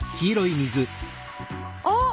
あっ！